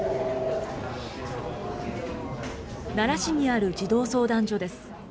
奈良市にある児童相談所です。